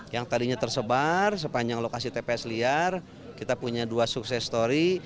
yang tadinya tersebar sepanjang lokasi tps liar kita punya dua sukses story